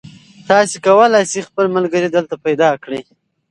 تاسي کولای شئ خپل ملګري دلته پیدا کړئ.